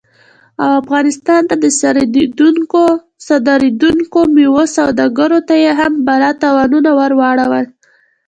او افغانستان نه د صادرېدونکو میوو سوداګرو ته یې هم بلا تاوانونه ور واړول